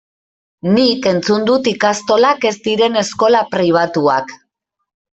Nik entzun dut ikastolak ez direla eskola pribatuak.